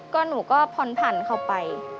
ก็หนูก็พรพันเขาไป